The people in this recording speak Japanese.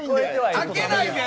開けないで！